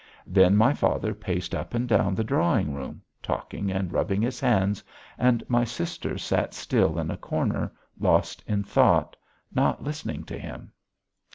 Then my father paced up and down the drawing room, talking and rubbing his hands, and my sister sat still in a corner, lost in thought, not listening to him....